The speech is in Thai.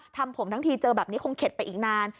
ทำผมทั้งทีเจอแบบนี้คงเข็ดไปอีกนาน